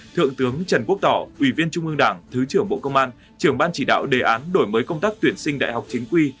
thượng tướng trần quốc tỏ ủy viên trung ương đảng thứ trưởng bộ công an trưởng ban chỉ đạo đề án đổi mới công tác tuyển sinh đại học chính quy